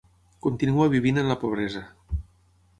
Continua vivint en la pobresa.